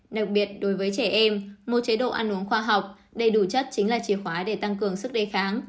đặc biệt đối với trẻ em một chế độ ăn uống khoa học đầy đủ chất chính là chìa khóa để tăng cường sức đề kháng